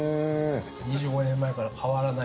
２５年前から変わらない。